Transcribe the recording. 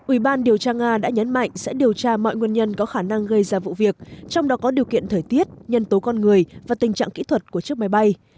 ủy ban điều tra nga đã nhấn mạnh sẽ điều tra mọi nguyên nhân có khả năng gây ra vụ việc trong đó có điều kiện thời tiết nhân tố con người và tình trạng kỹ thuật của chiếc máy bay